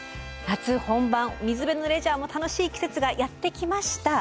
夏本番水辺のレジャーも楽しい季節がやって来ました。